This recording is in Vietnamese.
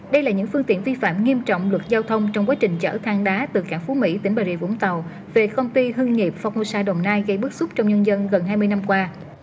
đây là những phương tiện vi phạm nghiêm trọng luật giao thông trong quá trình chở thang đá từ cảng phú mỹ tỉnh bà rịa vũng tàu về công ty hương nghiệp phongmosai đồng nai gây bức xúc trong nhân dân gần hai mươi năm qua